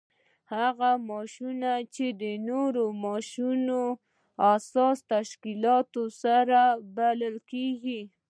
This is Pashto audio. هغه ماشینونه چې د نورو ماشینونو اساس تشکیلوي ساده بلل کیږي.